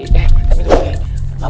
eh tapi tuh kiai